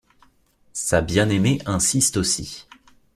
Sa bien-aimée insiste aussi.